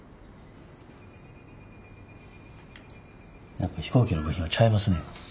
やっぱ飛行機の部品はちゃいますね。